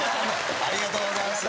ありがとうございます。